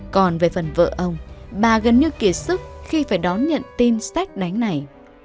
còn về phần vợ ông bà gần như kỳ sức khi phải đón nhận tin sách đánh này